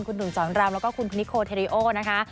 คุณหนุ่มสอนรามแล้วก็คุณพนิโคเทริโอนะคะ